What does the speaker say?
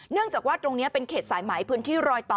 เนื่องจากว่าตรงนี้เป็นเขตสายไหมพื้นที่รอยต่อ